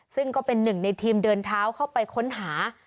ซึ่งก็เป็นหนึ่งในทีมเดินเท้าเข้าไปค้นหา